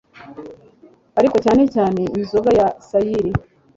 Ariko cyane cyane inzoga ya sayiri!